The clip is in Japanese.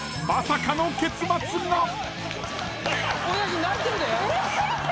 ［まさかの結末が］